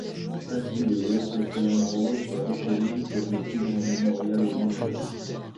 Ainsi, la Great Ocean Road est reconnue comme le plus grand mémorial au monde.